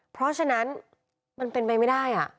เพราะฉะนั้นมันเป็นไปไม่ได้